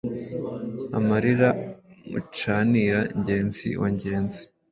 Ararima Mucanira-ngezi wa Ngenzi,